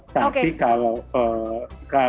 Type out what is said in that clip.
tapi kalau itu terdapat